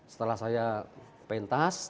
setelah saya peintas